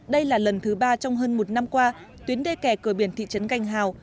đây là lần thứ ba trong hơn một năm qua tuyến đê kẻ cửa biển thị trấn cành hào